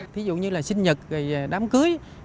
thí dụ như là sinh nhật đám cưới